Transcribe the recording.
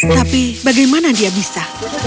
tapi bagaimana dia bisa